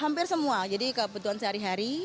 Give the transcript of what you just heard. hampir semua jadi kebutuhan sehari hari